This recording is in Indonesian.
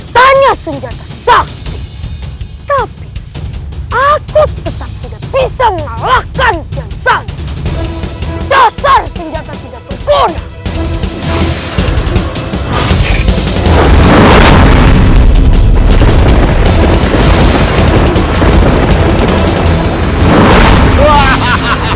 dasar senjata tidak berguna